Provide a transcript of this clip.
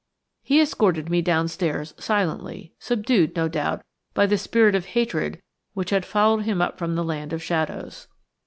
He escorted me downstairs silently, subdued, no doubt, by the spirit of hatred which had followed him up from the land of shadows.